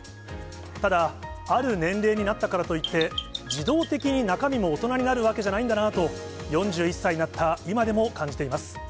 ただ、ある年齢になったからといって、自動的に中身も大人になるわけじゃないんだなと、４１歳になった今でも感じています。